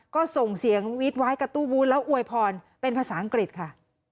ก็ส่งเสียงวีดว้ายกระตู้วู้นแล้วอวยพรเป็นภาษาอังกฤษค่ะ